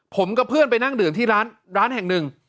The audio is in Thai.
ผมกับเพื่อนไปนั่งดื่มที่ร้านแห่งหนึ่ง